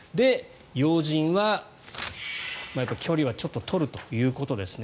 要人は距離はちょっと取るということですね。